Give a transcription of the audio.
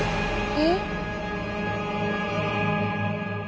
えっ？